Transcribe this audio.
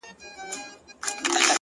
ستا د واده شپې ته شراب پيدا کوم څيښم يې؛